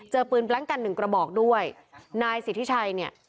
เจอปืนแปล๊งกันหนึ่งกระบอกด้วยนายศิษย์ที่ใช้เนี่ย